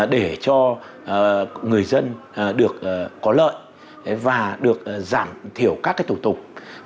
để cho người dân được có lợi và được giảm thiểu các thủ tục